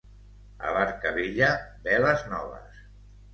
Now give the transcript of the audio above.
A barca vella, veles noves.